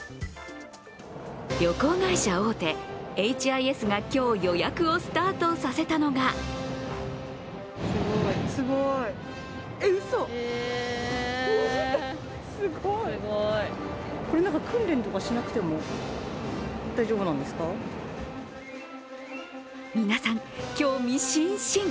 旅行会社大手ＨＩＳが今日予約をスタートさせたのが皆さん、興味津々。